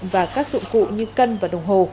và các dụng cụ như cân và đồng hồ